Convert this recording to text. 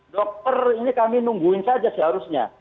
dokter ini kami nungguin saja seharusnya